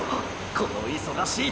この忙しい時に！！